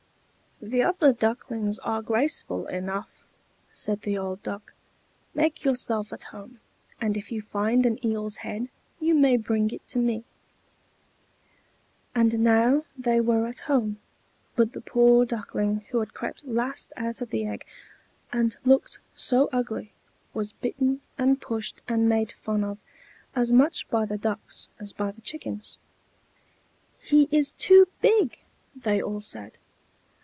"The other ducklings are graceful enough," said the old Duck. "Make yourself at home; and if you find an eel's head, you may bring it to me." And now they were at home. But the poor Duckling who had crept last out of the egg, and looked so ugly, was bitten and pushed and made fun of, as much by the ducks as by the chickens. "He is too big!" they all said.